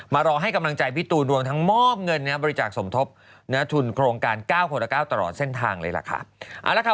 รอให้กำลังใจพี่ตูนรวมทั้งมอบเงินบริจาคสมทบทุนโครงการ๙คนละ๙ตลอดเส้นทางเลยล่ะค่ะ